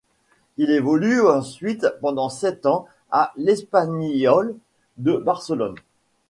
Il évolue ensuite pendant sept ans à l'Espanyol de Barcelone.